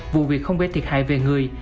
vụ việc không gây thiệt hại về người